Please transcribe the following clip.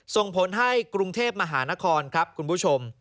ส่งผลให้กรุงเทพมหานครครับคุณผู้ชม